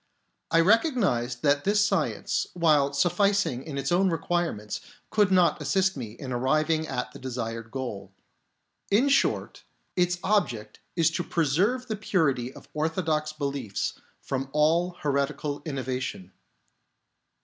I recognised that this science, while sufficing its own require ments, could not assist me in arriving at the desired goal. In short, its object is to preserve the purity of orthodox beliefs from all heretical innovation.